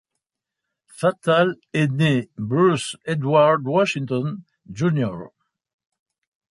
Fatal est né Bruce Edward Washington, Jr.